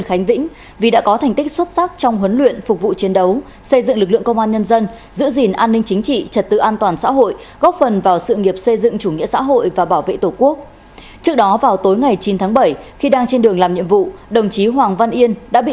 hãy đăng ký kênh để ủng hộ kênh của chúng mình nhé